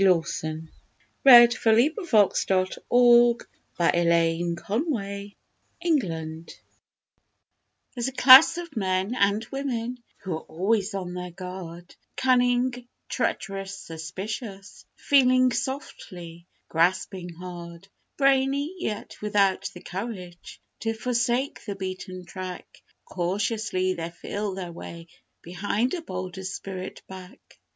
Here's Luck, old man Here's Luck! THE MEN WHO COME BEHIND There's a class of men (and women) who are always on their guard Cunning, treacherous, suspicious feeling softly grasping hard Brainy, yet without the courage to forsake the beaten track Cautiously they feel their way behind a bolder spirit's back.